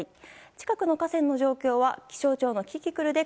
近くの河川の状況は気象庁のキキクルで